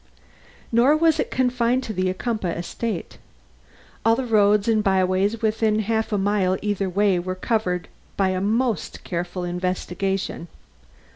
Nor was it confined to the Ocumpaugh estate. All the roads and byways within half a mile either way were covered by a most careful investigation.